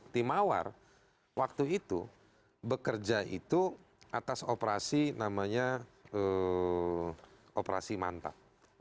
tim mawar waktu itu bekerja itu atas operasi namanya operasi mantap